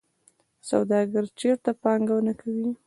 سوداګر چیرته پانګونه کوي؟